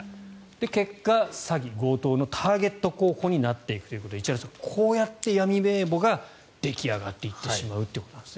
結果、詐欺、強盗のターゲット候補になっていくということで石原さん、こうやって闇名簿が出来上がっていってしまうということなんですね。